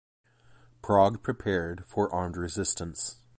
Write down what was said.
Prague prepared for armed resistance.